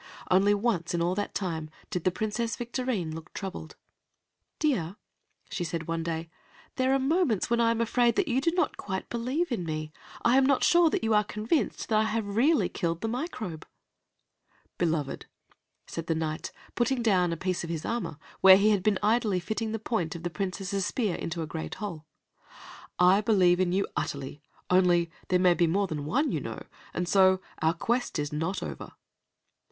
Only once in all that time did Princess Victorine looked troubled. "Dear," she said one day, "there are moments when I am afraid that you do not quite believe in me. I am not sure that you are convinced that I have really killed the Microbe." "Beloved," said the Knight, putting down a piece of his armor, where he had been idly fitting the point of the Princess's spear into a great hole, "I believe in you utterly, only, there may be more than one, you know, and so our quest is not over."